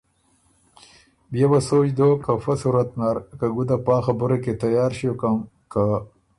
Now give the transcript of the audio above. بيې وه اوسوچ دوک که فۀ صورت نر، که ګُده پا خبُره کی تیار ݭیوکم، که